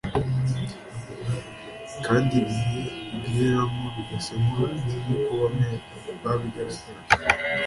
kandi “ibihe ugiriramo bigasa nk’urupfu” nk’uko bamwe babigaragaje